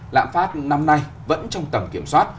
lạm phát năm nay vẫn trong tầm kiểm soát